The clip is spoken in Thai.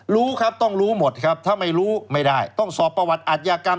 รู้ครับต้องรู้หมดครับถ้าไม่รู้ไม่ได้ต้องสอบประวัติอัธยากรรม